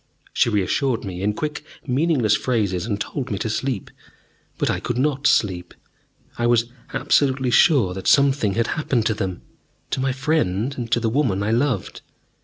She reassured me in quick meaningless phrases, and told me to sleep. But I could not sleep: I was absolutely sure that something had happened to them, to my friend and to the woman I loved.